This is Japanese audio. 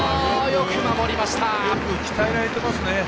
よく鍛えられてますね。